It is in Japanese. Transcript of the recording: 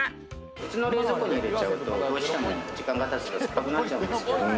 普通の冷蔵庫に入れちゃうとどうしても時間がたつと酸っぱくなっちゃうんですけれども。